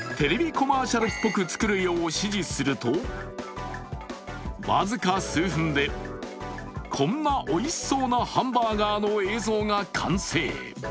コマーシャルっぽく作るよう指示すると僅か数分で、こんなおいしそうなハンバーガーの映像が完成。